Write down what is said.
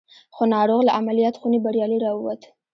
خو ناروغ له عمليات خونې بريالي را ووت.